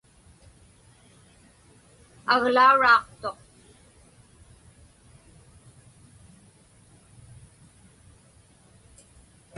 Aglauraaqtuq.